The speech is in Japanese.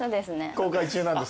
公開中なんですね？